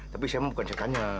tapi saya mah bukan setannya